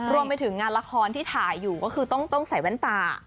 รวมไปถึงงานละครที่ถ่ายอยู่ก็คือต้องใส่แว่นตา